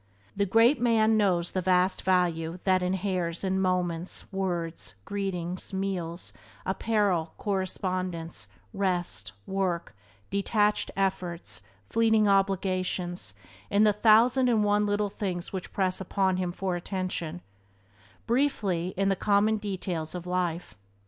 The great man knows the vast value that inheres in moments, words, greetings, meals, apparel, correspondence, rest, work, detached efforts, fleeting obligations, in the thousand and one little things which press upon him for attention — briefly, in the common details of life.